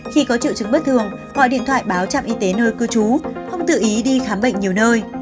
khi có triệu chứng bất thường gọi điện thoại báo trạm y tế nơi cư trú không tự ý đi khám bệnh nhiều nơi